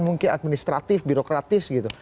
mungkin administratif birokratis gitu